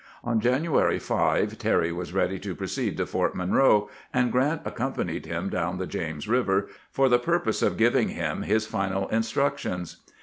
On January 5 Terry was ready to proceed to Fort Monroe, and Grant accompanied him down the James River for the purpose of giving him his final instructions.